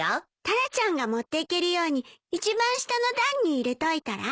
タラちゃんが持っていけるように一番下の段に入れといたら？